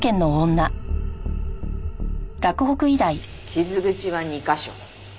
傷口は２カ所。